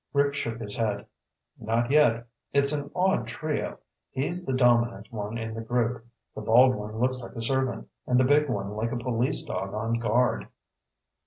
Rick shook his head. "Not yet. It's an odd trio. He's the dominant one in the group. The bald one looks like a servant, and the big one like a police dog on guard."